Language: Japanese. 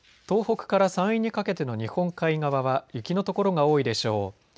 東北から山陰にかけての日本海側は雪の所が多いでしょう。